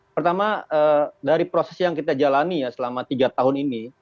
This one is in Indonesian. pertama dari proses yang kita jalani ya selama tiga tahun ini